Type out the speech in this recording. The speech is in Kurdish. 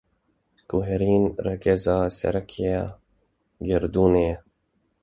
Guherîn, rêgeza sereke ya gerdûnê ye.